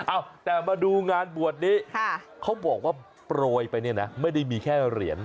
เอ้าแต่มาดูงานบวชนี้เขาบอกว่าโปรยไปเนี่ยนะไม่ได้มีแค่เหรียญ